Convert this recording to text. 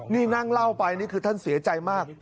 นี่นั่งเล่าไปนี่คือท่านเสียใจมาก